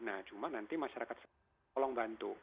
nah cuma nanti masyarakat tolong bantu